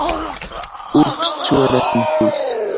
Ur ttettu ara tanfult.